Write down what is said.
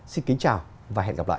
xin kính chào và hẹn gặp lại